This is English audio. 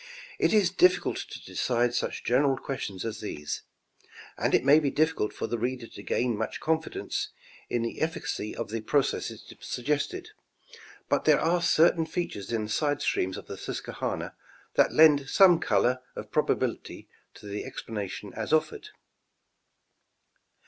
It is diflicult to decide such general questions as these ; and it may be diflicult for the reader to gain much confidence in the eflicacy of the processes suggested ; but there are certain features in the side streams of the Susquehanna that lend some color of probability to the explanation as offered.